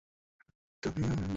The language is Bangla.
গয়া জেলা চারটি মহকুমায় বিভক্ত।